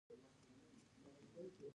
د ننګرهار صنعتي پارک امن دی؟